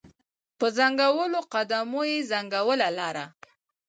په ځنګولو قدمو یې ځنګوله لاره